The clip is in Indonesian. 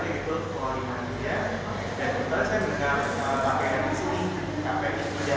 lalu ya saya juga suka pakai energi sini sampai kek budak